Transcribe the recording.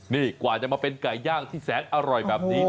นี่กว่าจะมาเป็นไก่ย่างที่แสนอร่อยแบบนี้